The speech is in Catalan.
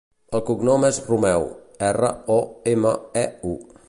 El cognom és Romeu: erra, o, ema, e, u.